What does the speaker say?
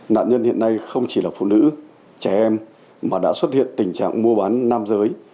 nạn nhân hiện nay không chỉ là phụ nữ trẻ em mà đã xuất hiện tình trạng mua bán nam giới